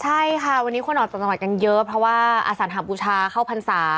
ใช่ค่ะวันนี้คนออกจากจังหวัดกันเยอะเพราะว่าอสัญหาบูชาเข้าพรรษา